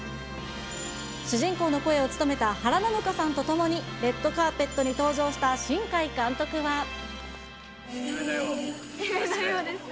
主人公の声を務めた原菜乃華さんと共にレッドカーペットに登場し夢のようですね。